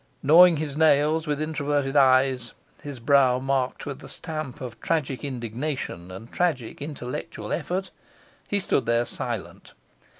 Gnawing his nails, with introverted eyes, his brow marked with the stamp of tragic indignation and tragic intellectual effort, he stood there silent.